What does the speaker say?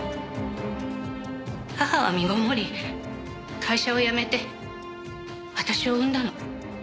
母は身ごもり会社を辞めて私を産んだの。